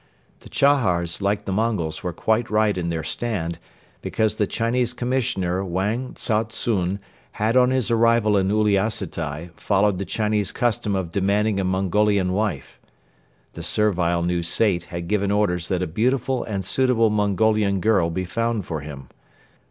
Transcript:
The Chahars, like the Mongols, were quite right in their stand, because the Chinese Commissioner Wang Tsao tsun had on his arrival in Uliassutai followed the Chinese custom of demanding a Mongolian wife. The servile new Sait had given orders that a beautiful and suitable Mongolian girl be found for him.